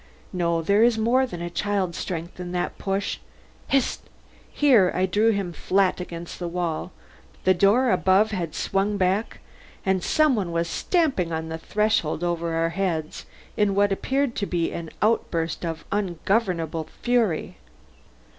No; there is more than a child's strength in that push. Hist!" Here I drew him flat against the wall. The door above had swung back and some one was stamping on the threshold over our heads in what appeared to be an outburst of ungovernable fury.